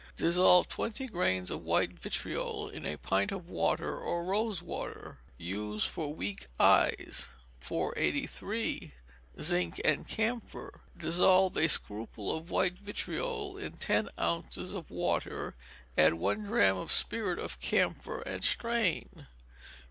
Dissolve twenty grains of white vitriol in a pint of water or rose water. Use for weak eyes. 483. Zinc and Camphor. Dissolve a scruple of white vitriol in ten ounces of water; add one drachm of spirit of camphor, and strain.